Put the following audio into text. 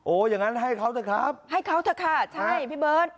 อย่างนั้นให้เขาเถอะครับให้เขาเถอะค่ะใช่พี่เบิร์ต